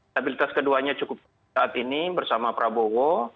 stabilitas keduanya cukup saat ini bersama prabowo